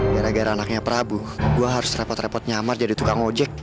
gara gara anaknya prabu gue harus repot repot nyamar jadi tukang ojek